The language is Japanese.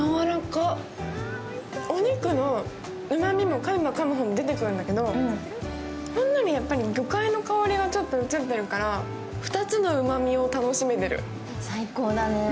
お肉のうまみもかめばかむほど出てくるんだけど、ほんのり魚介の香りがちょっとうつってるから、２つのうまみを楽しめてる。